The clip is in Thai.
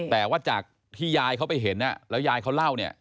แต่ว่าจากที่ยายเขาไปเห็นแล้วยายเขาเล่าเนี่ย